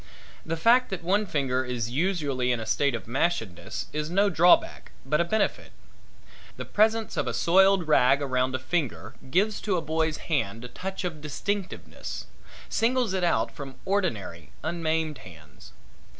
The fact that one finger is usually in a state of mashedness is no drawback, but a benefit. The presence of a soiled rag around a finger gives to a boy's hand a touch of distinctiveness singles it out from ordinary unmaimed hands.